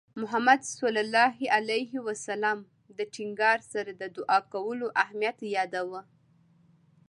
محمد صلى الله عليه وسلم د ټینګار سره د دُعا کولو اهمیت یاداوه.